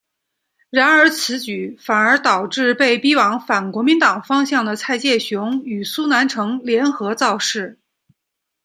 然而此举反而导致被逼往反国民党方向的蔡介雄与苏南成联合造势。